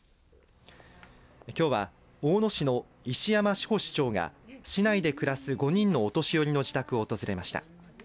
きょうは大野市の石山志保市長が市内で暮らす５人のお年寄りの自宅を訪れました。